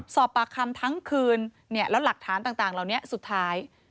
สอบปากคำทั้งคืนแล้วหลักฐานต่างเหล่านี้สุดท้าย